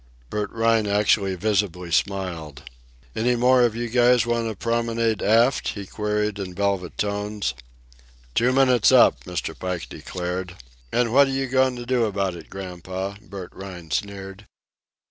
Bert Rhine actually visibly smiled. "Any more of you guys want to promenade aft?" he queried in velvet tones. "Two minutes up," Mr. Pike declared. "An' what are you goin' to do about it, Grandpa?" Bert Rhine sneered.